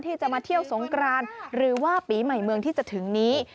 ที่จะมาเที่ยวสงกรานหรือว่าปีใหม่เมืองที่จะถึงนี้